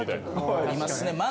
ありますね。